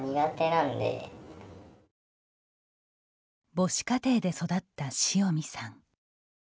母子家庭で育った塩見さん。